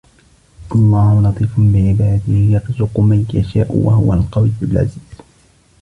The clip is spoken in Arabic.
الله لطيف بعباده يرزق من يشاء وهو القوي العزيز